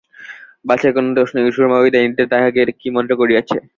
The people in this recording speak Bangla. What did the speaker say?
বাছার কোন দোষ নাই, ঐ সুরমা, ঐ ডাইনীটা তাহাকে কি মন্ত্র করিয়াছে।